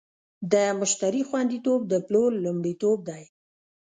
د مشتری خوندیتوب د پلور لومړیتوب دی.